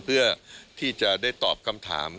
เพื่อที่จะได้ตอบคำถาม